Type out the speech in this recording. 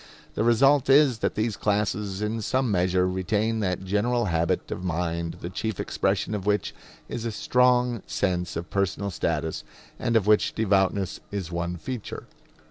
The result is that these classes in some measure retain that general habit of mind the chief expression of which is a strong sense of personal status, and of which devoutness is one feature.